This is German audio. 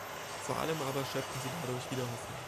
Vor allem aber schöpfen sie dadurch wieder Hoffnung.